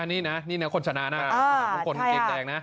นี่นะคนชนะนะฮะมหามงคลเกียงแดงนะ